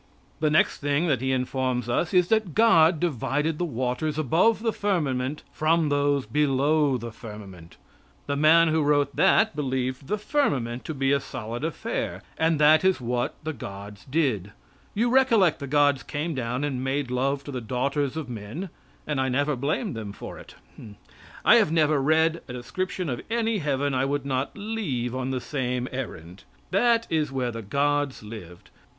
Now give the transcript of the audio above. The next thing that he informs us is that God divided the waters above the firmament from those below the firmament. The man who wrote that believed the firmament to be a solid affair. And that is what the gods did. You recollect the gods came down and made love to the daughters of men and I never blamed them for it. I have never read a description of any heaven I would not leave on the same errand. That is where the gods lived.